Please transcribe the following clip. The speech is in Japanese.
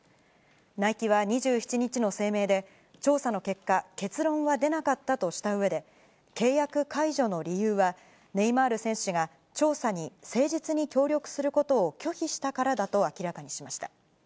ナイキは２７日の声明で、調査の結果、結論は出なかったとしたうえで、契約解除の理由は、ネイマール選手が調査に誠実に協力することを拒否したからだと明らかにしました。